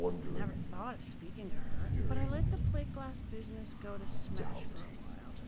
I never thought of speaking to her, but I let the plate glass business go to smash for a while.